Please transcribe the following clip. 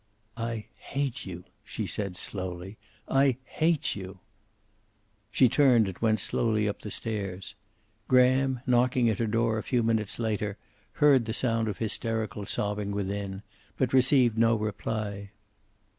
"I hate you," she said slowly. "I hate you!" She turned and went slowly up the stairs. Graham, knocking at her door a few minutes later, heard the sound of hysterical sobbing, within, but received no reply.